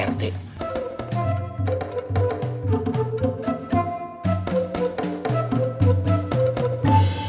gak ada saksi